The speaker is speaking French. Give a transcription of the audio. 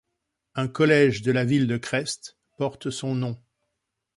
Un collège de la ville de Crest porte son nom.